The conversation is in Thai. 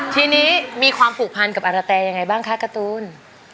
ทีนี้มีความผูกพันกับอารแต่ยังไงบ้างคะการ์ตูน